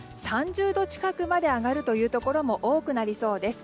３０度近くまで上がるところも多くなりそうです。